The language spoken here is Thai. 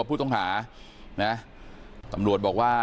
ผู้ต้องหานะตำรวจบอกว่า